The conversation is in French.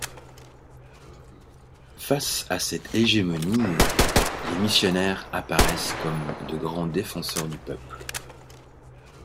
Face à cette hégémonie, les missionnaires apparaissent comme de grands défenseurs du peuple.